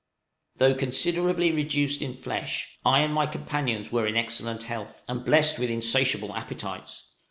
Though considerably reduced in flesh, I and my companions were in excellent health, and blessed with insatiable appetites.